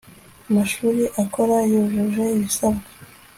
amashuri akora yujuje ibisabwa